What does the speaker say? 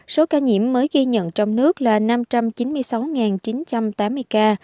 số ca nhiễm mới ghi nhận trong nước là năm trăm chín mươi sáu chín trăm tám mươi ca